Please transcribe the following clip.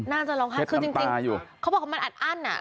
น่าจะร้องไห้คือจริงเขาบอกว่ามันอัดอั้นอ่ะ